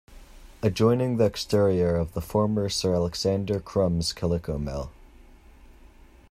Adjoining the exterior of the former Sir Alexander Crum's Calico Mill.